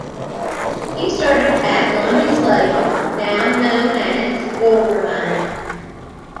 He started back on his label, now known as, "Borderline".